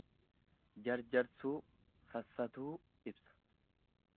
Jarjarsuu, sassatuu ibsa.